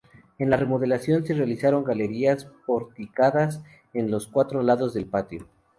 En la remodelación se realizaron galerías porticadas en los cuatro lados del patio.